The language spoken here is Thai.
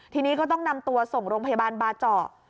ทีนี้ก็ต้องนำตัวส่งโรงพยาบาลบาเจาะ